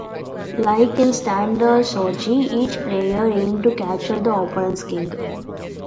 Like in standard shogi, each player aims to capture the opponent's king.